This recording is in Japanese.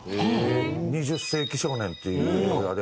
『２０世紀少年』っていう映画で。